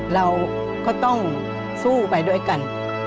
เราก็ต้องสู้ไปด้วยกัน